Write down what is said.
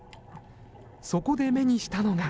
そこで目にしたのが。